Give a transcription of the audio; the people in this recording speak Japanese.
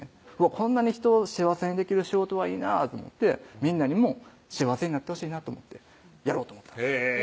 こんなに人を幸せにできる仕事はいいなぁと思ってみんなにも幸せになってほしいなと思ってやろうと思ったんです